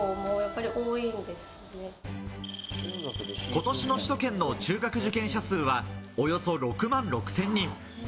今年の首都圏の中学受験者数はおよそ６万６０００人。